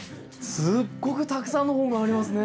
すっごくたくさんの本がありますね。